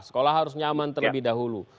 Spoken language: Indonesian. sekolah harus nyaman terlebih dahulu